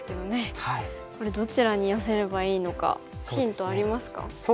これどちらに寄せればいいのかヒントありますか？